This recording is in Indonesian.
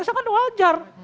itu sangat wajar